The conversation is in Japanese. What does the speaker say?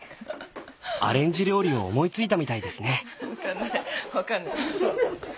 アレンジ料理を思いついたみたいですね。